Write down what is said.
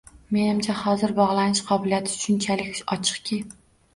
Menimcha, hozir bogʻlanish qobiliyati shunchalik ochiqki